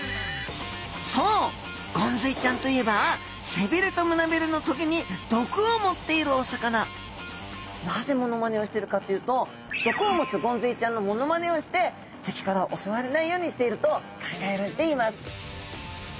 そうゴンズイちゃんといえば背びれと胸びれのトゲに毒をもっているお魚なぜモノマネをしてるかというと毒をもつゴンズイちゃんのモノマネをして敵から襲われないようにしていると考えられています。